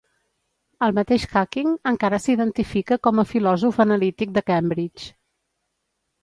El mateix Hacking encara s'identifica com a filòsof analític de Cambridge.